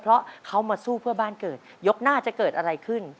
เพราะเขามาสู้เพื่อบ้านเกิดยกหน้าจะเกิดอะไรขึ้น